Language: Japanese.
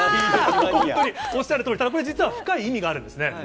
本当におっしゃるとおり、これ実は深い意味があるんですね。